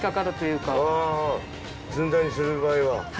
あぁずんだにする場合は。